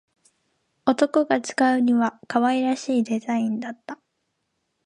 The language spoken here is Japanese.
男が使うには可愛らしいデザインだった